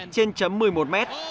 trên chấm một mươi một mét